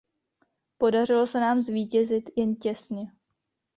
Podařilo se nám zvítězit jen těsně.